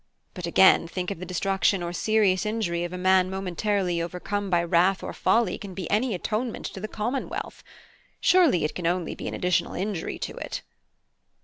But again, think if the destruction or serious injury of a man momentarily overcome by wrath or folly can be any atonement to the commonwealth? Surely it can only be an additional injury to it."